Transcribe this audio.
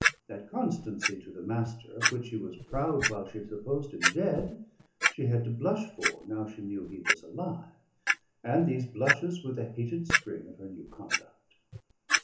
That constancy to the Master of which she was proud while she supposed him dead, she had to blush for now she knew he was alive, and these blushes were the hated spring of her new conduct.